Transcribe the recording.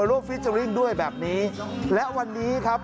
และก็มีการกินยาละลายริ่มเลือดแล้วก็ยาละลายขายมันมาเลยตลอดครับ